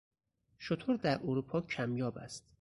شتر در اروپا کمیاب است.